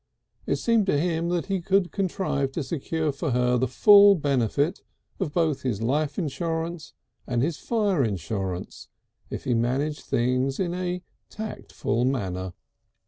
It seemed to him that he could contrive to secure for her the full benefit of both his life insurance and his fire insurance if he managed things in a tactful manner.